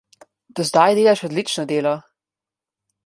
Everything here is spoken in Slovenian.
Do zdaj delaš odlično delo.